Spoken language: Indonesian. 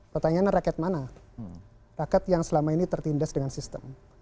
pertanyaannya rakyat mana rakyat yang selama ini tertindas dengan sistem